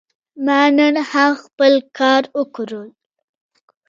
ما نن هم خپل کار وکړ.